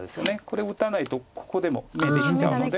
これを打たないとここでも眼できちゃうので。